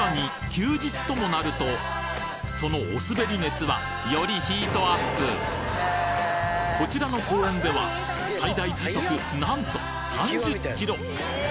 休日ともなるとそのお滑り熱はよりヒートアップこちらの公園では最大時速なんと３０キロ！